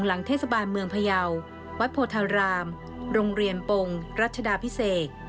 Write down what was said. หลังเทศบาลเมืองพยาววัดโพธารามโรงเรียนปงรัชดาพิเศษ